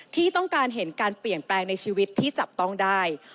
ที่ต้องการเห็นการเปลี่ยนแปลงในชีวิตที่จับต้องได้